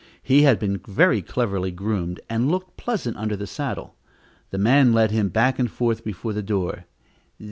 He had been very cleverly groomed, and looked pleasant under the saddle. The man led him back and forth before the door.